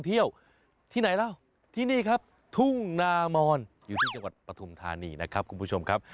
เที่ยวที่ไหนล่ะที่นี่ครับทุ่งนามอนอยู่ที่จังหวัดปฐุมธานีนะครับคุณผู้ชมครับ